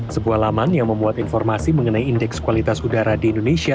sebuah laman yang memuat informasi mengenai indeks kualitas udara di indonesia